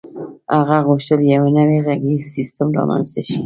هغه غوښتل یو نوی غږیز سیسټم رامنځته شي